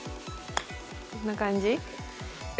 こんな感じ。